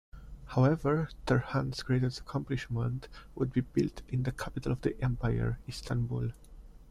However, Turhan's greatest accomplishment would be built in the capital of the empire, Istanbul.